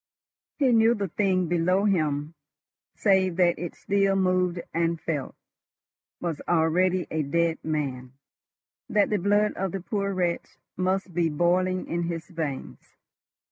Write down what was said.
He knew the thing below him, save that it still moved and felt, was already a dead man—that the blood of the poor wretch must be boiling in his veins.